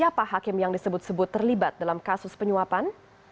siapa hakim yang disebut sebut terlibat dalam kasus penyuapan